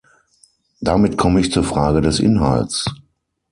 Damit komme ich zur Frage des Inhalts.